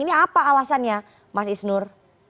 ini apa alasannya mas isnur